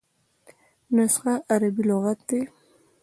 نسخه عربي لغت دﺉ.